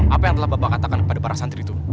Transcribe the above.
apa yang telah bapak katakan kepada para santri itu